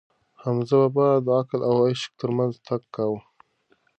حمزه بابا د عقل او عشق ترمنځ تګ کاوه.